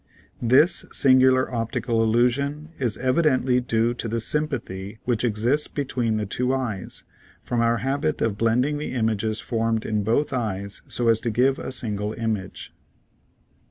This singular optical illusion is evidently due to the sym pathy which exists between the two eyes, from our habit of blending the images formed in both eyes so as to give a single image.